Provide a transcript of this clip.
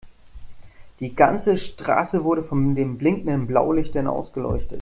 Die ganze Straße wurde von den blinkenden Blaulichtern ausgeleuchtet.